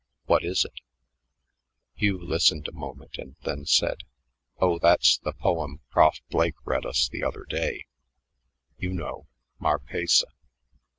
What is it?" Hugh listened a moment and then said: "Oh, that's the poem Prof Blake read us the other day you know, 'marpessa.'